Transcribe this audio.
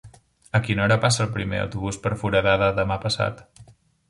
A quina hora passa el primer autobús per Foradada demà passat?